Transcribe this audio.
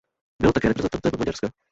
Byl také reprezentantem Maďarska.